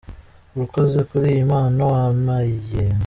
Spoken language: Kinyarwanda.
Urakoze kuri iyi mpano wampaye !